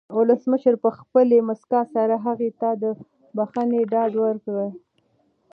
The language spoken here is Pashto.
ولسمشر په خپلې مسکا سره هغه ته د بښنې ډاډ ورکړ.